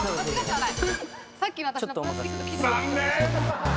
はい。